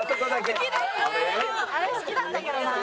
あれ好きなんだけどな。